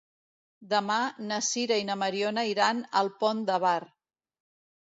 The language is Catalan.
Demà na Sira i na Mariona iran al Pont de Bar.